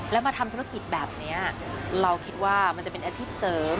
แล้วมาทำธุรกิจแบบนี้เราคิดว่ามันจะเป็นอาชีพเสริม